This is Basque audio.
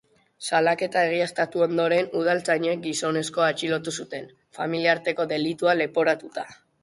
Salaketa egiaztatu ondoren, udaltzainek gizonezkoa atxilotu zuten, familia arteko delitua leporatuta.